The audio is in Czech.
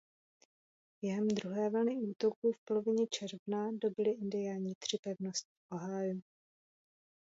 Během druhé vlny útoků v polovině června dobyli Indiáni tři pevnosti v Ohiu.